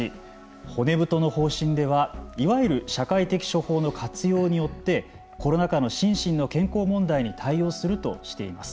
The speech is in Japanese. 骨太の方針ではいわゆる社会的処方の活用によってコロナ禍の心身の健康問題に対応するとしています。